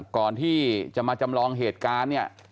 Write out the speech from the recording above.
ก่อนที่จะมาจำลองเหตุการณ์เนี่ย